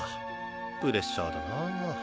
プレッシャーだな。